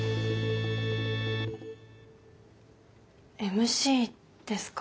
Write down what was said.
ＭＣですか？